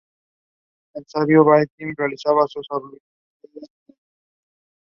He attended Phillips Academy in Andover and became interested in contemporary classical music.